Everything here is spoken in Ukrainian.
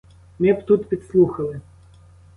Ми б тут підслухали.